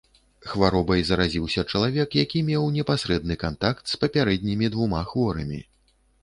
Хваробай заразіўся чалавек, які меў непасрэдны кантакт з папярэднімі двума хворымі.